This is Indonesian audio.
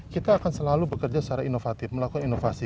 kita akan selalu bekerja secara inovatif melakukan inovasi